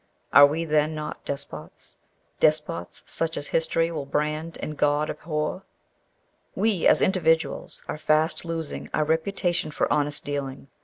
Are we not then despots despots such as history will brand and God abhor? "We, as individuals, are fast losing our reputation for honest dealing.